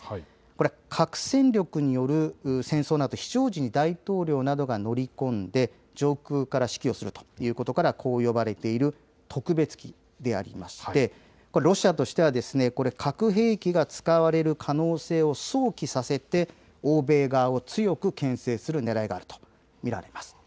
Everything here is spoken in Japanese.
これ、核戦力による戦争など非常時に大統領などが乗り込んで上空から指揮をするということからこう呼ばれている特別機でありましてロシアとしては核兵器が使われる可能性を想起させて欧米側を強くけん制するねらいがあると見られます。